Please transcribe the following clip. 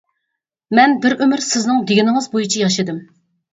مەن بىر ئۆمۈر سىزنىڭ دېگىنىڭىز بويىچە ياشىدىم.